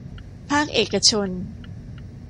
ภาคเอกชน